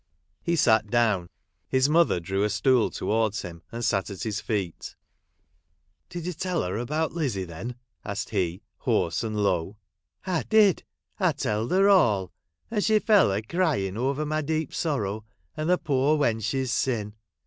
He sat down. His mother drew a stool towards him, and sat at his feet. ' Did you tell her about Lizzie, then ?' asked he, hoarse and low. " I did, I telled her all ; and she fell a crying over my deep sorrow, and the poor wench's sin.